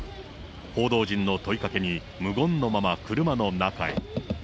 報道陣の問いかけに、無言のまま車の中へ。